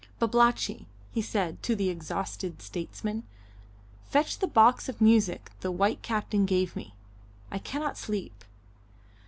"Babalatchi," he said to the exhausted statesman, "fetch the box of music the white captain gave me. I cannot sleep."